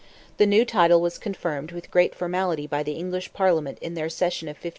The new title was confirmed with great formality by the English Parliament in their session of 1542.